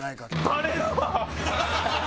バレるわ！